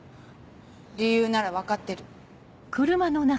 理由なら分かってる。